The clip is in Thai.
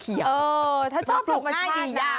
เออถ้าชอบธรรมชาตินะถ้าชอบถูกง่ายดีย่า